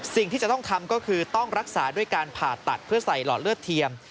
สิ่งที่จะต้องทำก็คือต้องรักษาด้วยการผ่าตัดเพื่อใส่หลอดเลือดเทียม